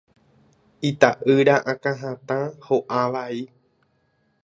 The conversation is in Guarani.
ita'ýra akãhatã ho'a vai.